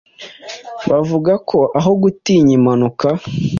bavuga ko aho gutinya impanuka